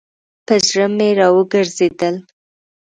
پر زړه مي راوګرځېدل .